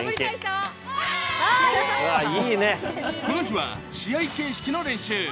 この日は試合形式の練習。